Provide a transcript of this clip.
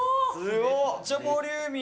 めっちゃボリューミー。